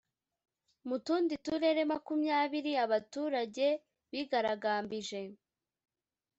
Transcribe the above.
Mu tundi turere makumyabiri abaturage bigaragambije